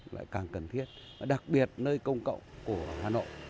lại càng cần thiết và đặc biệt nơi công cộng của hà nội